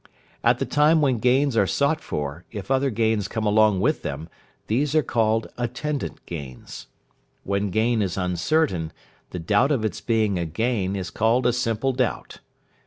At the time when gains are sought for, if other gains come along with them, these are called attendant gains. When gain is uncertain, the doubt of its being a gain is called a simple doubt.